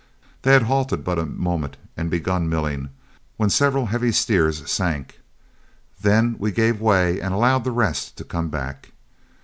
They had halted but a moment and begun milling, when several heavy steers sank; then we gave way and allowed the rest to come back.